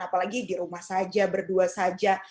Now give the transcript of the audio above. apalagi di rumah saja berdua saja